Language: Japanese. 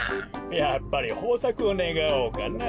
やっぱりほうさくをねがおうかな。